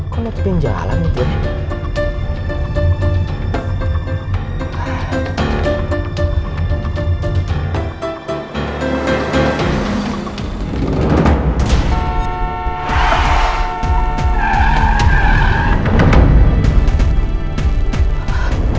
kok ngetipin jalan gitu ya